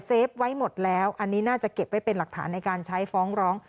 ฟไว้หมดแล้วอันนี้น่าจะเก็บไว้เป็นหลักฐานในการใช้ฟ้องร้อง